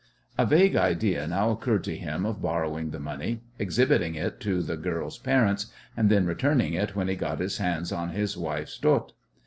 A vague idea now occurred to him of borrowing the money, exhibiting it to the girl's parents, and then returning it when he got his hands on his wife's dot.